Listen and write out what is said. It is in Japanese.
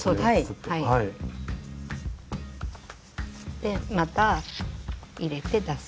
でまた入れて出す。